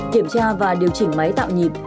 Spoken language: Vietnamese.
kiểm tra và điều chỉnh máy tạo nhịp